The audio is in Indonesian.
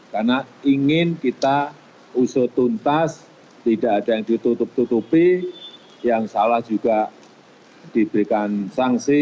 saya ingin kita usutuntas tidak ada yang ditutup tutupi yang salah juga diberikan sanksi